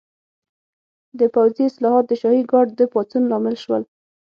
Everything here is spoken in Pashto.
د پوځي اصلاحات د شاهي ګارډ د پاڅون لامل شول.